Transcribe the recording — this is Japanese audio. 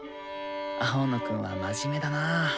青野くんは真面目だなあ。